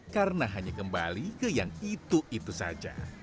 karena hanya kembali ke yang itu itu saja